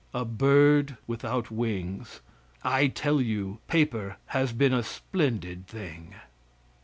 A bird without wings. I tell you paper has been a splendid thing.